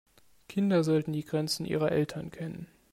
Kinder sollten die Grenzen ihrer Eltern kennen.